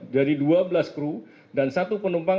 jadi dua belas crew dan satu penumpang